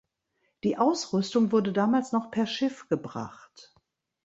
Die Ausrüstung wurde damals noch per Schiff gebracht.